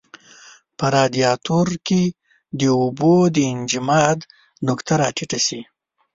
په رادیاتور کې د اوبو د انجماد نقطه را ټیټه شي.